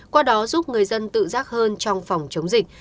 qua đó giúp người dân tự giác hơn trong phòng chống dịch